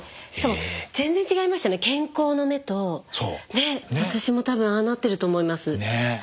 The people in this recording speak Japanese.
ね私も多分ああなってると思います。